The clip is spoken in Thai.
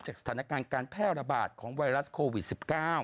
สถานการณ์การแพร่ระบาดของไวรัสโควิด๑๙